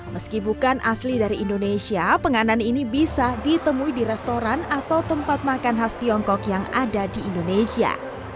meski bukan asli dari indonesia penganan ini bisa ditemui di restoran atau tempat makan khas tiongkok yang ada di indonesia